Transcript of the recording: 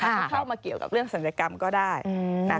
ครับเข้ามาเกี่ยวกับเรื่องสัญกรรมก็ได้นะคะ